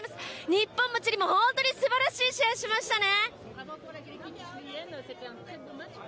日本もチリも、本当にすばらしい試合をしましたね。